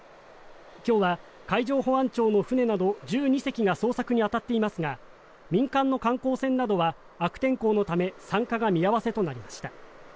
今日は海上保安庁の船など１２隻が捜索にあたっていますが民間の観光船などは悪天候のため参加が見合わせとなりました。